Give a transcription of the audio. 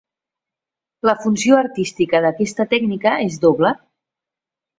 La funció artística d'aquesta tècnica és doble.